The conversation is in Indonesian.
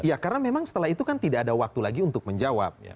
ya karena memang setelah itu kan tidak ada waktu lagi untuk menjawab